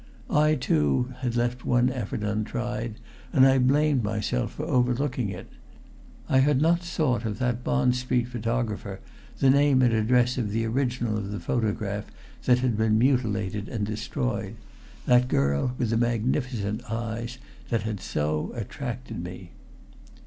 I too had left one effort untried, and I blamed myself for overlooking it. I had not sought of that Bond Street photographer the name and address of the original of the photograph that had been mutilated and destroyed that girl with the magnificent eyes that had so attracted me.